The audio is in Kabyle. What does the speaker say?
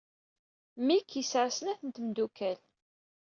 Mike yesɛa snat n tmeddukal.